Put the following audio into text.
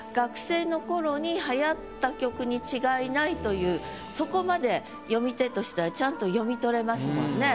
に違いないというそこまで読み手としてはちゃんと読み取れますもんね。